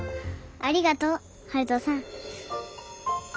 ありがとう陽斗さん。